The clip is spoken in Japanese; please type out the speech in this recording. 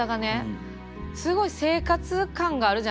すごい生活感があるじゃないですか。